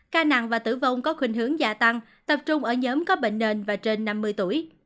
ca nặng và tử vong có khuyên hướng gia tăng tập trung ở nhóm có bệnh nền và trên năm mươi tuổi